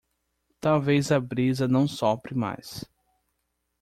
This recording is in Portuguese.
Talvez a brisa não sopre mais